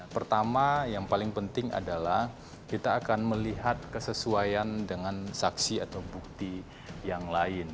pertama yang paling penting adalah kita akan melihat kesesuaian dengan saksi atau bukti yang lain